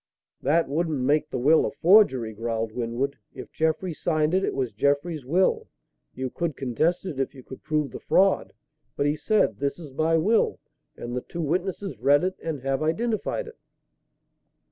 "That wouldn't make the will a forgery," growled Winwood. "If Jeffrey signed it, it was Jeffrey's will. You could contest it if you could prove the fraud. But he said: 'This is my will,' and the two witnesses read it and have identified it."